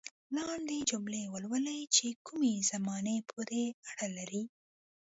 لاندې جملې ولولئ چې کومې زمانې پورې اړه لري.